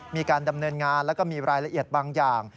มีการดำเนินงานแล้วก็มีรายละเอียดบางอย่าง